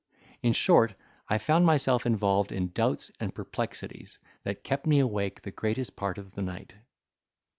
In short, I found myself involved in doubts and perplexities, that kept me awake the greatest part of the night.